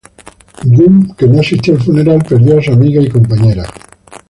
Jung, que no asistió al funeral, perdió a su amiga y compañera.